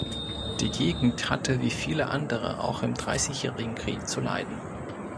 Die Gegend hatte wie viele andere auch im Dreißigjährigen Krieg zu leiden.